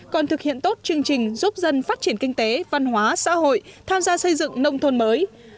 còn thực hiện tốt chương trình giúp dân phát triển kinh tế văn hóa xã hội tham gia xây dựng nông thôn mới